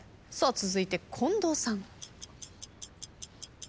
続いて近藤さん。